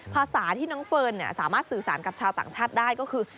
ภาษาที่น้องเฟิร์นสามารถสื่อสารกับชาวต่างชาติได้ก็คือ